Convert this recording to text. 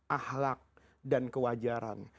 ahlak dan kewajaran